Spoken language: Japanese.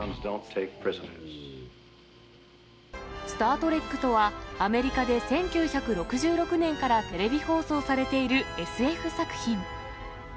スター・トレックとは、アメリカで１９６６年からテレビ放送されているＳＦ作品。